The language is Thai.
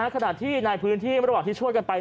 ขณะที่ในพื้นที่ระหว่างที่ช่วยกันไป